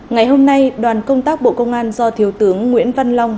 ngày hôm nay đoàn công tác bộ công an do thiếu tướng nguyễn văn long